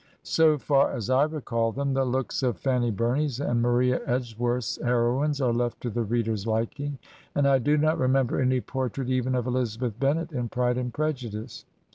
So far as I recall them, the looks of Fanny Bumey's and Maria Edgeworth's heroines are left to the reader's liking ; and I do not remember any portrait even of Eliz abeth Ben net in " Pride and Prejudice!''